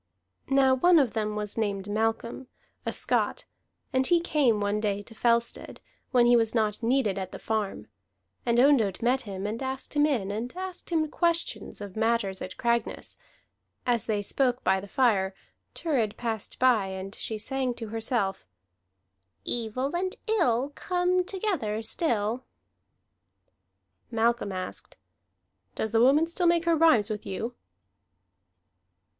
Now one of them was named Malcolm, a Scot, and he came one day to Fellstead, when he was not needed at the farm. And Ondott met him, and asked him in, and asked him questions of matters at Cragness. As they spoke by the fire, Thurid passed by, and she sang to herself: "Evil and ill Come together still." Malcolm asked: "Does the woman still make her rhymes with you?"